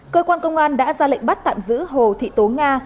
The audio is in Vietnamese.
cơ quan công an đã ra lệnh bắt tạm giữ hồ thị tố nga